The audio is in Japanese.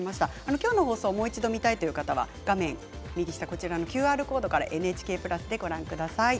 今日の放送をもう一度、見たいという方は画面右下のＱＲコードからＮＨＫプラスでご覧ください。